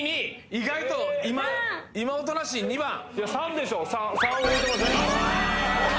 意外と今今おとなしい２番・いや３でしょ３動いてません？